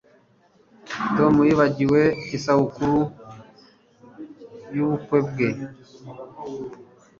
Tom yibagiwe isabukuru yubukwe bwe